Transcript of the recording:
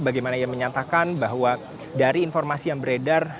bagaimana ia menyatakan bahwa dari informasi yang beredar